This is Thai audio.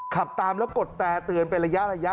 ขับตามแล้วกดแต่เตือนเป็นระยะ